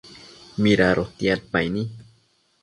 mida adotiadpaini